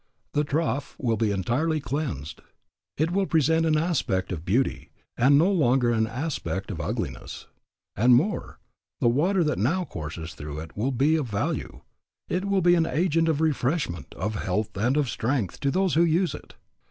The trough will be entirely cleansed. It will present an aspect of beauty and no longer an aspect of ugliness. And more, the water that now courses through it will be of value; it will be an agent of refreshment, of health and of strength to those who use it.